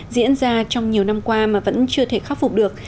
diễn ra trong nhiều năm qua mà vẫn chưa thể khắc phục được